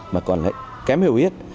mà còn lại kém hiểu biết